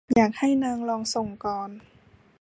อยากให้นางลองส่งก่อน